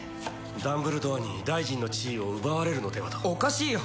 ダンブルドアに大臣の地位を奪われるのではとおかしいよ